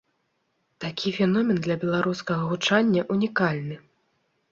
Такі феномен для беларускага гучання ўнікальны.